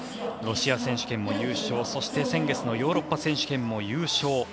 ロシア選手権も優勝先月のヨーロッパ選手権も優勝。